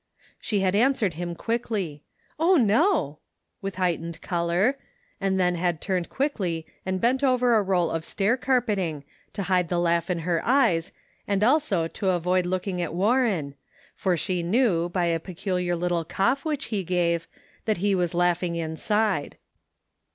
She had answered him quickly :" Oh, no !" with heightened color, and then had turned quickly and bent over a roll of stair carpeting, to hide the laugh in her eyes, and also to avoid looking at Warren, for she knew, by a peculiar little cough which he gave, that he was laugh ing inside.